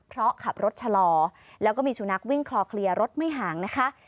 เพราะขับรถชะลอแล้วก็มีสุนัขวิ่งคลอเคลียร์รถไม่ห่างนะคะ